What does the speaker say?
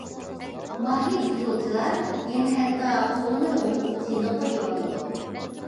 ماھىر ئۇسسۇلچىلار يەنە ھەتتا قوللىرىغىمۇ چىنە قويۇۋالىدۇ.